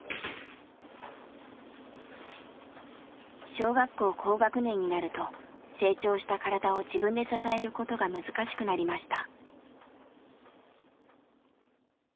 小学校高学年になると成長した体を自分で支えることが難しくなりました。